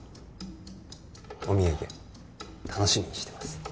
お土産楽しみにしてます